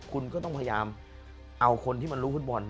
คุณก็ต้องพยายามเอาคนที่มันรู้ฟุตบอล